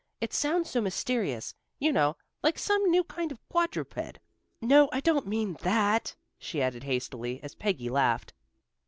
"It sounds so mysterious, you know, like some new kind of quadruped. No, I don't mean that," she added hastily, as Peggy laughed.